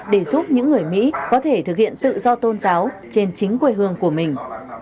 để giúp những người mỹ có thể thực hiện tự do tôn giáo trên chính quê hương của mình